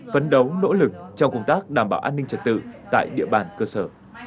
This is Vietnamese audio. phấn đấu nỗ lực trong công tác đảm bảo an ninh trật tự tại địa bàn cơ sở